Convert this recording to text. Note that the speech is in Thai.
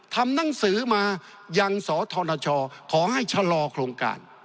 ทำหนังสือมายังสธชขอให้ชะลอโครงการ